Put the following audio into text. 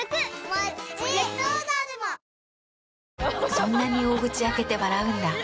そんなに大口開けて笑うんだ。